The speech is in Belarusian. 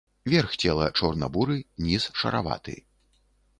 Верх цела чорна-буры, ніз шараваты.